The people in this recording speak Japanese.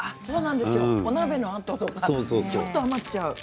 お鍋のあととかちょっと余っちゃう。